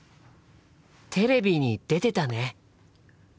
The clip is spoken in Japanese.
テレビに出てたね。